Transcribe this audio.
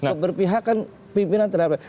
keberpihakan kepimpinan terhadap rakyat